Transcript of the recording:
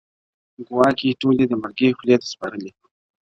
ګواکي ټول دي د مرګي خولې ته سپارلي؛